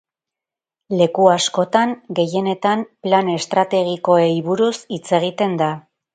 Leku askotan, gehienetan, plan estrategikoei buruz hitz egiten da.